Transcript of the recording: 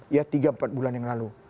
ya tiga empat bulan yang lalu